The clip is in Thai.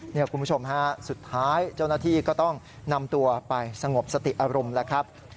คุณผู้ชมฮะสุดท้ายเจ้าหน้าที่ก็ต้องนำตัวไปสงบสติอารมณ์แล้วครับ